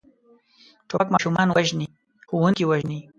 توپک ماشومان وژني، ښوونکي وژني.